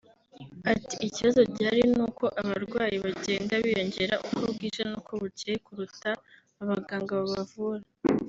Ati “Ikibazo gihari ni uko abarwayi bagenda biyongera uko bwije n’uko bucyeye kuruta abaganga babavura